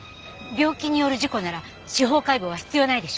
病気による事故なら司法解剖は必要ないでしょ？